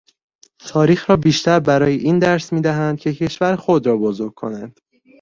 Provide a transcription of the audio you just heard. تاریخ را بیشتر برای این درس میدهند که کشور خود را بزرگ کنند.